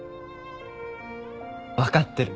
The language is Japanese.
分かってる。